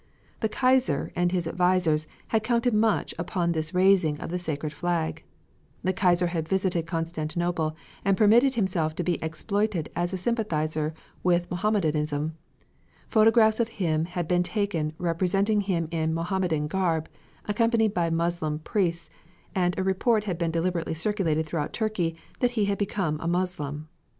The Kaiser, and his advisers, had counted much upon this raising of the sacred flag. The Kaiser had visited Constantinople and permitted himself to be exploited as a sympathizer with Mohammedanism. Photographs of him had been taken representing him in Mohammedan garb, accompanied by Moslem priests, and a report had been deliberately circulated throughout Turkey that he had become a Moslem.